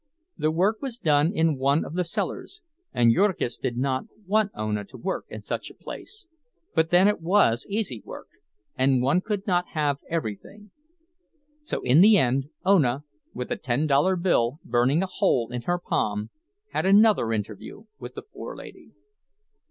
The work was done in one of the cellars, and Jurgis did not want Ona to work in such a place; but then it was easy work, and one could not have everything. So in the end Ona, with a ten dollar bill burning a hole in her palm, had another interview with the forelady.